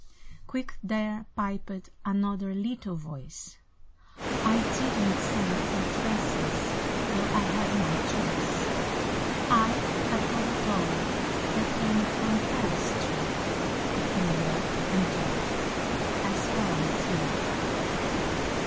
Quick there piped another Little voice "I did n't send for dresses, Though I had my choice; I have got a doll that Came from Paris too; It can walk and talk as Well as you!"